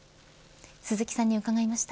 鈴木さんに伺いました。